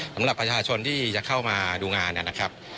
สำหรับประชาชนที่จะเข้ามาดูงานนะครับ